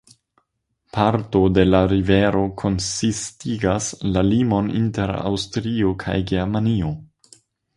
Parto de la rivero konsistigas la limon inter Aŭstrio kaj Germanio.